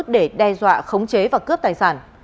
để đe dọa khống chế và cướp tài sản